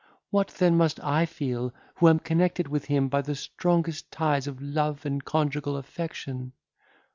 What then must I feel, who am connected with him by the strongest ties of love and conjugal affection?"